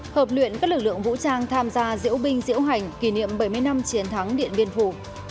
hợp luyện các lực lượng vũ trang tham gia diễu binh diễu hành kỷ niệm bảy mươi năm chiến thắng điện biên phủ